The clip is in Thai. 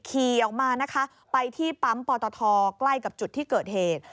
คีย์ออกมาไปที่ปั๊มปธใกล้กับจุดที่เกิดเหตุ